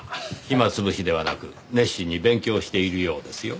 暇潰しではなく熱心に勉強しているようですよ。